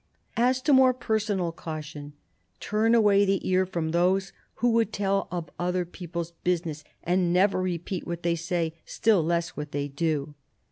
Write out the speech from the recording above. As to more personal caution :" Turn away the ear from those who would tell of other people's business, and never repeat what they say, still less what they do."